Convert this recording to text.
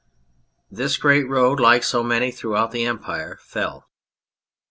This great road, like so many throughout the Empire, fell.